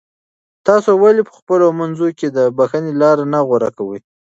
تاسو ولې په خپلو منځونو کې د بښنې لاره نه غوره کوئ؟